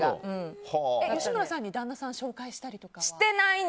吉村さんに旦那さんを紹介したりとか？